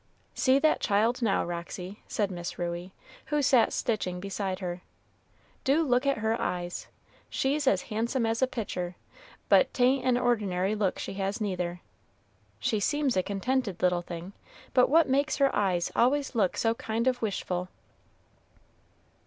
"See that child now, Roxy," said Miss Ruey, who sat stitching beside her; "do look at her eyes. She's as handsome as a pictur', but 't ain't an ordinary look she has neither; she seems a contented little thing; but what makes her eyes always look so kind o' wishful?"